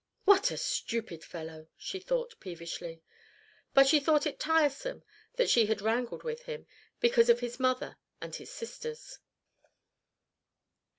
"What a stupid fellow!" she thought, peevishly. But she thought it tiresome that she had wrangled with him, because of his mother and his sisters.